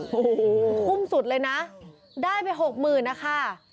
โอ้โหคุ้มสุดเลยนะได้ไปหกหมื่นนะคะ